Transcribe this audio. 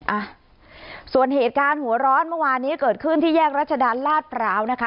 อ่ะส่วนเหตุการณ์หัวร้อนเมื่อวานนี้เกิดขึ้นที่แยกรัชดาลลาดพร้าวนะคะ